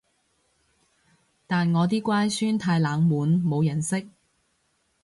但我啲乖孫太冷門冇人識